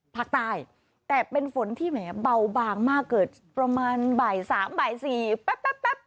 ภาคใต้แต่เป็นฝนที่แหมเบาบางมากเกิดประมาณบ่ายสามบ่ายสี่แป๊บ